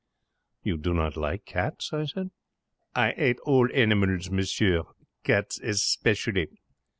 'You do not like cats?' I said. 'I 'ate all animals, monsieur. Cats especially.'